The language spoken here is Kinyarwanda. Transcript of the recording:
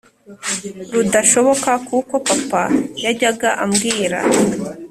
rudashoboka kuko papa yajyaga ambwira